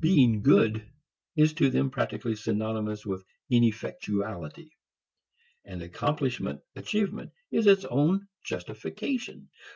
Being good is to them practically synonymous with ineffectuality; and accomplishment, achievement is its own justification.